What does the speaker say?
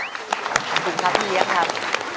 ขอบคุณครับพี่เอี๊ยบครับ